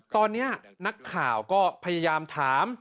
ตอนนี้นักข่าวก็พยายามถาม